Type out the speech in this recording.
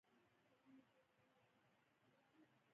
ګران صاحب د ملغلرې نه کم نه وو-